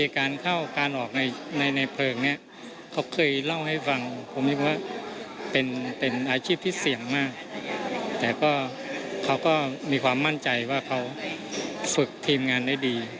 แต่เขาก็มีความมั่นใจว่าเขาฝึกทีมงานได้ดี